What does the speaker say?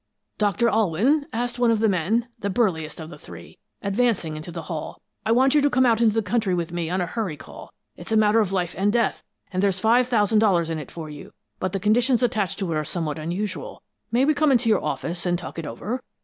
"'Doctor Alwyn?' asked one of the men, the burliest of the three, advancing into the hall. 'I want you to come out into the country with me on a hurry call. It's a matter of life and death, and there's five thousand dollars in it for you, but the conditions attached to it are somewhat unusual. May we come into your office, and talk it over?'